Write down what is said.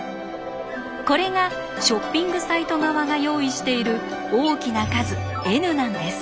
これがショッピングサイト側が用意している大きな数Ｎなんです。